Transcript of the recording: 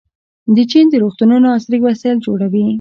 چین د روغتونونو عصري وسایل جوړوي.